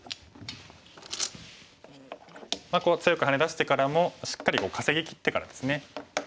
こう強くハネ出してからもしっかり稼ぎきってからですね。